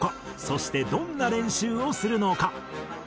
そしてどんな練習をするのか？